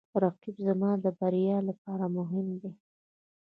رقیب زما د بریا لپاره مهم دی